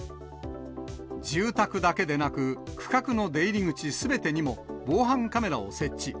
住宅だけでなく、区画の出入り口すべてにも、防犯カメラを設置。